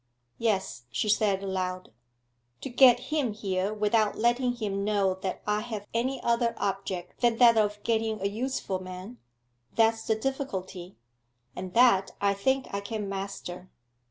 'Yes,' she said aloud. 'To get him here without letting him know that I have any other object than that of getting a useful man that's the difficulty and that I think I can master.